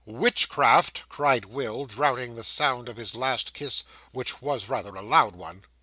'Witchcraft!' cried Will, drowning the sound of his last kiss, which was rather a loud one.